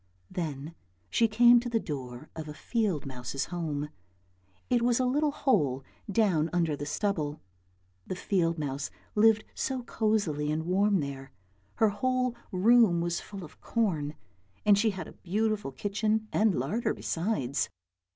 Then she came to the door of a field mouse's home. It was a little hole down under the stubble. The field mouse lived so cosily and warm there, her whole room was full of corn, and she had a beautiful kitchen and larder besides.